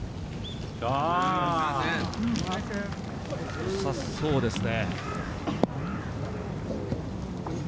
よさそうですね。